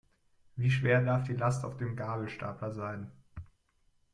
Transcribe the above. Wie schwer darf die Last auf dem Gabelstapler sein?